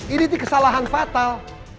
ini kesalahan fatal